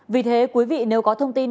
vì thế quý vị nếu có thông tin